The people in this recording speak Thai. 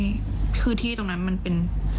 เมื่อดูที่ตรงนั้นมันเป็น